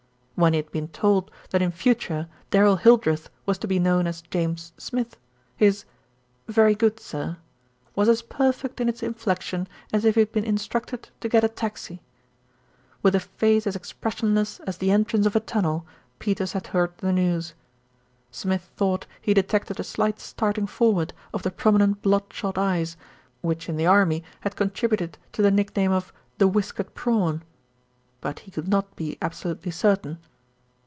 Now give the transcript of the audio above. When he had been told that in future Darrell Hildreth was to be known as James Smith, his "Very good, sir," was as perfect in its inflection as if he had been instructed to get a taxi. With a face as expressionless as the entrance of a tunnel, Peters had heard the news. Smith thought he detected a slight starting forward of the prominent blood shot eyes, which in the army had contributed to the nickname of "the whiskered prawn" ; but he could not be absolutely certain.